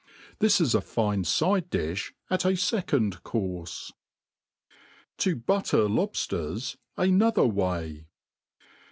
This is a fine fide difli at a fecond courfe. To htttter Lobfters another Way.